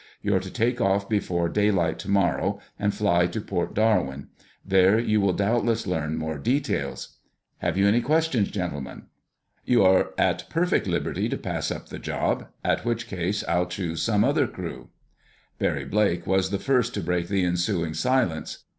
You're to take off before daylight tomorrow and fly to Port Darwin. There you will doubtless learn more details. Have you any questions, gentlemen? You are at perfect liberty to pass up the job—in which case I'll choose some other crew." Barry Blake was the first to break the ensuing silence.